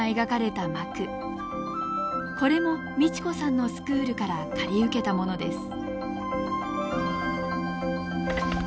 これも美智子さんのスクールから借り受けたものです。